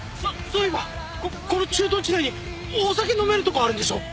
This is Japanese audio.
そういえばこの駐屯地内にお酒飲めるとこあるんでしょ？